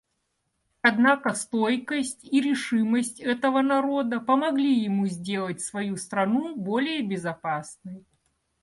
Однако стойкость и решимость этого народа помогли ему сделать свою страну более безопасной.